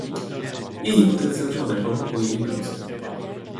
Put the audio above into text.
Její otec zemřel nedlouho po jejím narození.